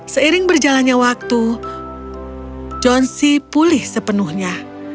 seiring berjalannya waktu johnsy pulih sepenuhnya